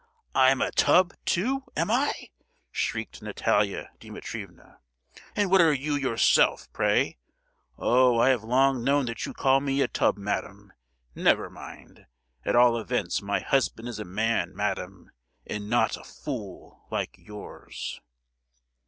I'm a tub, too, am I?" shrieked Natalia Dimitrievna. "And what are you yourself, pray? Oh, I have long known that you call me a tub, madam. Never mind!—at all events my husband is a man, madam, and not a fool, like yours!"